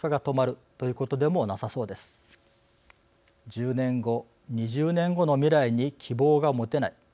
１０年後２０年後の未来に希望がもてない。